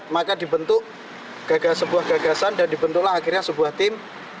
maka dibentuk sebuah gagasan dan dibentuklah akhirnya sebuah tim